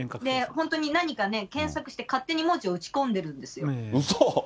本当に何かね、検索して勝手に文字を打ち込んでるんですよ。